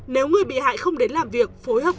nếu người bị hại không đến làm việc